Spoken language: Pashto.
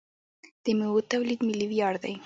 د میوو تولید ملي ویاړ دی.